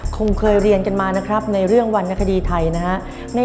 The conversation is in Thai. คงเคยเรียนกันมานะครับในเรื่องวรรณคดีไทยนะฮะ